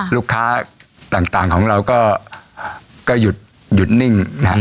ลูกค้าต่างของเราก็หยุดนิ่งนะฮะ